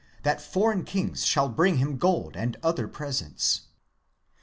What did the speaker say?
that foreign kings shall bring him gold and other presents.